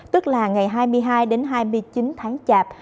tức là ngày hai mươi hai đến hai mươi chín tháng chạp